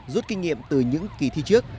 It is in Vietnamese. rút kinh nghiệm từ những kỳ thi trước